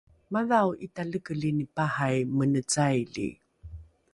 madhao ’italekelini pahai mene caili